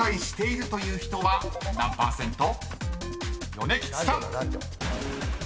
［米吉さん］